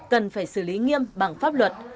cần phải xử lý nghiêm bằng pháp luật